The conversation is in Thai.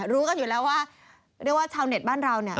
รู้กันอยู่แล้วว่าชาวเน็ตบ้านเรา